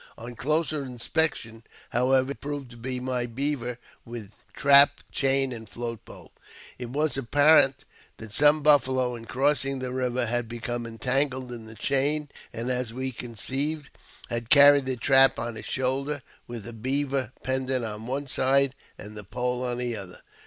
On closer inspection, however, it proved to be my beaver, with trap, chain, and float pole. It was apparent that some buffalo, in crossing the river, had become entangled in the chain, and, as we conceived, had carried the trap on his shoulder, with the beaver pendent on one side and the pole on the other.